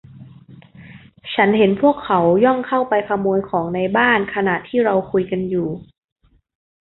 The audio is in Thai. ฉันเห็นพวกเขาย่องเข้าไปขโมยของในบ้านขณะที่เราคุยกันอยู่